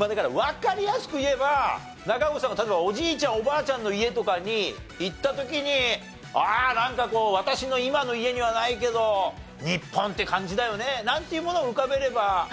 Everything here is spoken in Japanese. だからわかりやすく言えば中越さんが例えばおじいちゃんおばあちゃんの家とかに行った時になんかこう「私の今の家にはないけど日本って感じだよね」なんていうものを浮かべれば。